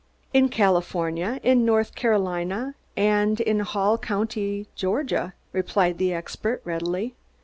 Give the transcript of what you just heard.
"In California, in North Carolina, and in Hall County, Georgia," replied the expert readily.